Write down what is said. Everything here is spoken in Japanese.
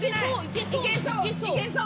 いけそう！